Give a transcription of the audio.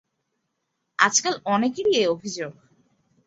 আজকাল অনেকেরই এ অভিযোগ।